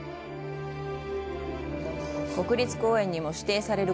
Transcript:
国立公園にも指定される